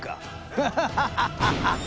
フハハハハハハ！